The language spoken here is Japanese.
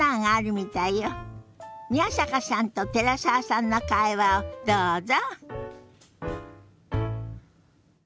宮坂さんと寺澤さんの会話をどうぞ。